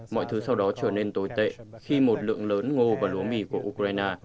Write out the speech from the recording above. mọi thứ sau đó trở nên tồi tệ khi một lượng lớn ngô và lúa mì của ukraine